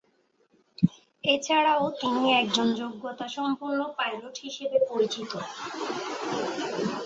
এছাড়াও তিনি একজন যোগ্যতাসম্পন্ন পাইলট হিসেবে পরিচিত।